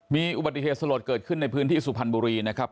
มีอุบัติเหตุสลดเกิดขึ้นในพื้นที่สุพรรณบุรีนะครับ